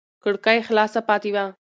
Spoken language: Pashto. کړکۍ خلاصه پاتې وه.